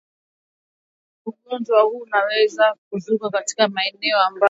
ugonjwa huu unaweza kuzuka katika maeneo ambayo wanyama hukusanyika